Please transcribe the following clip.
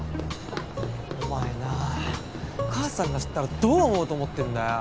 お前な母さんが知ったらどう思うと思ってんだよ。